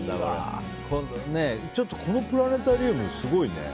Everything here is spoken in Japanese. このプラネタリウムすごいね。